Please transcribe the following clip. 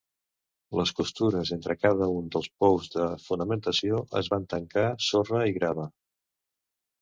Les costures entre cada un dels pous de fonamentació es van tancar sorra i grava.